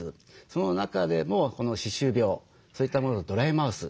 その中でもこの歯周病そういったものとドライマウス